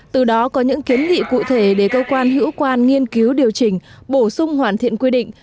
từ đó có những kiến nghị cụ thể để cơ quan hữu quan nghiên cứu điều chỉnh bổ sung hoàn thiện quy định